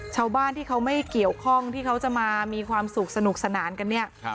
ชาวบ้านที่เขาไม่เกี่ยวข้องที่เขาจะมามีความสุขสนุกสนานกันเนี่ย